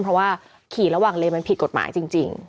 เพราะว่าขี่ระหว่างเลนมันผิดกฎหมายจริง